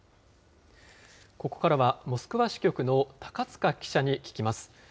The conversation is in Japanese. ここからは、モスクワ支局の高塚記者に聞きます。